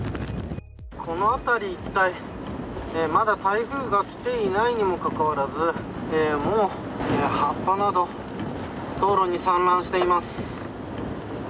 この辺り一帯、まだ台風が来ていないのにもかかわらずもう、葉っぱなど道路に散乱しています。